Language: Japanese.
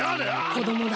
こどもだ。